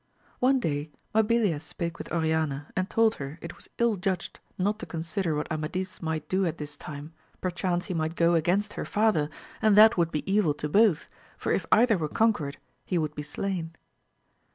One day Mabilia spake with Oriana, and told her it was ill judged not to consider what Amadis might do at this time, perchance he might go against her father, and that would be evil to both, for if either were con quered he would be slain.